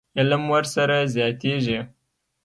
علم ورسره زیاتېږي.